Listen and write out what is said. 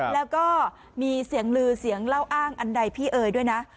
แล้วก็มีเสียงลือเสียงเล่าอ้างอันใดพี่เอ๋ยด้วยนะ